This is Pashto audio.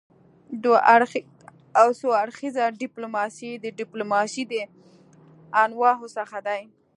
دوه اړخیزه او څو اړخیزه ډيپلوماسي د ډيپلوماسي د انواعو څخه دي.